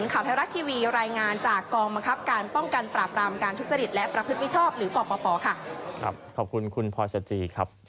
ครับขอบคุณคุณพอชติครับ